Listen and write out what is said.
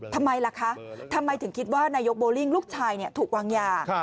ทำไมล่ะคะทำไมถึงคิดว่านายกโบลิ่งลูกชายถูกวางยา